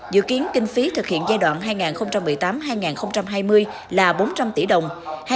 dự kiến kinh phí thực hiện giai đoạn hai nghìn một mươi tám hai nghìn hai mươi là bốn trăm linh tỷ đồng